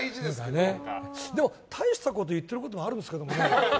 でも大したこと言ってることあるんですけどね。